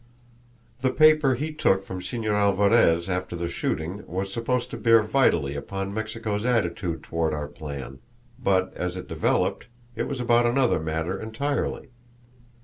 The paper he took from Señor Alvarez after the shooting was supposed to bear vitally upon Mexico's attitude toward our plan, but, as it developed, it was about another matter entirely."